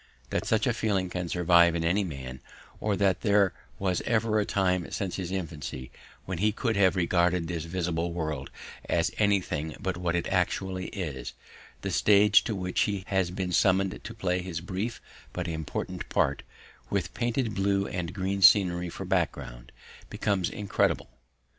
That such a feeling can survive in any man, or that there was ever a time since his infancy when he could have regarded this visible world as anything but what it actually is the stage to which he has been summoned to play his brief but important part, with painted blue and green scenery for background becomes incredible.